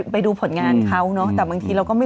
ไปดูผลงานเขาเนาะ